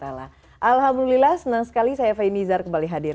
alhamdulillah senang sekali saya faini izar kembali hadir